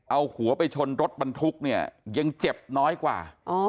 เอาหัวไปชนรถบรรทุกเนี่ยยังเจ็บน้อยกว่า